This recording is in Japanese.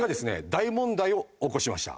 大問題を起こしました。